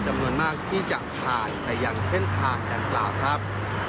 จำนวนมากที่จะผ่านไปยังเส้นทางดังกล่าวครับ